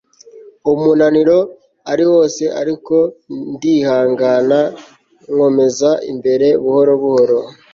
umunaniro ari wose ariko ndihangana nkomeza imbere buhoro buhoro